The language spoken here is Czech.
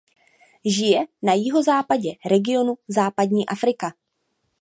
Žije na jihozápadě regionu západní Afrika.